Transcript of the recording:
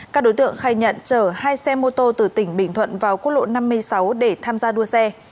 các đối tượng khai nhận chở hai xe mô tô từ tỉnh bình thuận vào quốc lộ năm mươi sáu để tham gia đua xe